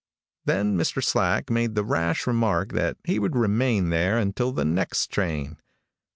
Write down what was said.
Then Mr. Slack made the rash remark that he would remain there until the next train.